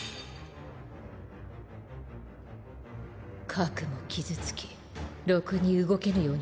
核も傷つきろくに動けぬようになったか。